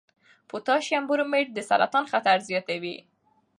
پوټاشیم برومیټ د سرطان خطر زیاتوي.